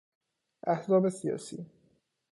احزاب سیاسی